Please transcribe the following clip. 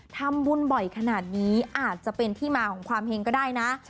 ทำบุญบ่อยขนาดนี้อาจจะเป็นที่มาของความเฮงก็ได้นะ